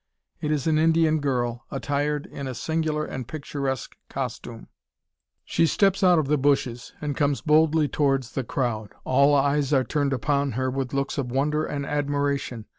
It is an Indian girl, attired in a singular and picturesque costume. She steps out of the bushes, and comes boldly towards the crowd. All eyes are turned upon her with looks of wonder and admiration.